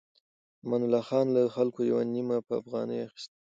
امان الله خان له خلکو يوه نيمه افغانۍ اخيسته.